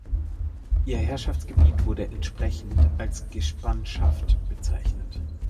Ihr Herrschaftsgebiet wurde entsprechend als Gespanschaft bezeichnet.